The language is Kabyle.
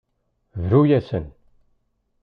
Bru-asen.